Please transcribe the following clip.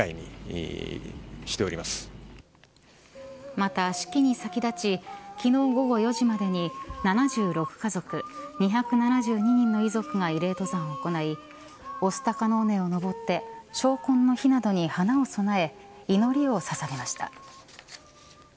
また、式に先立ち昨日午後４時までに７６家族２７２人の遺族が慰霊登山を行い御巣鷹の尾根を登って昇魂之碑などに花を供え、祈りをささげました。